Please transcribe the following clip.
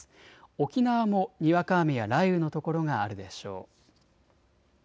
沖縄もにわか雨や雷雨の所があるでしょう。